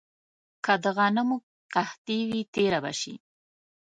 که د غنمو قحطي وي، تېره به شي.